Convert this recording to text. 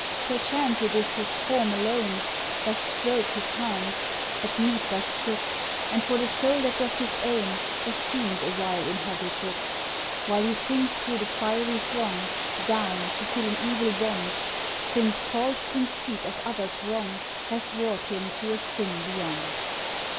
Perchance it is his form alone Doth stroke his hound, at meat doth sit, And, for the soul that was his own, A fiend awhile inhabits it; While he sinks through the fiery throng, Down, to fill an evil bond, Since false conceit of others' wrong Hath wrought him to a sin beyond.